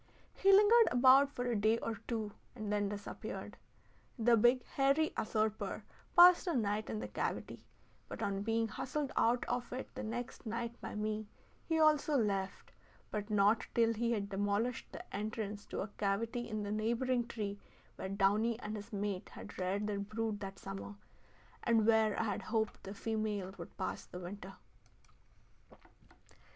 He lingered about for a day or two and then disappeared. The big hairy usurper passed a night in the cavity, but on being hustled out of it the next night by me, he also left, but not till he had demolished the entrance to a cavity in a neighboring tree where downy and his mate had reared their brood that summer, and where I had hoped the female would pass the winter.